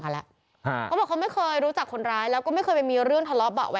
แล้วที่ผ่านมาแล้วจะมีปัญหาอะไรค่ะ